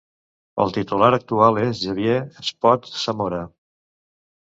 El titular actual és Xavier Espot Zamora.